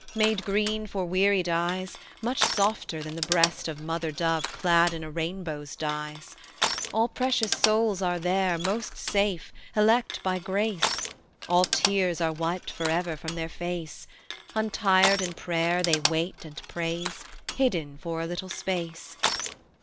Made green for wearied eyes; Much softer than the breast Of mother dove clad in a rainbow's dyes. "All precious souls are there Most safe, elect by grace, All tears are wiped forever from their face: Untired in prayer They wait and praise, Hidden for a little space.